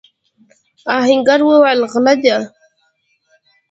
آهنګر وويل: غله دي!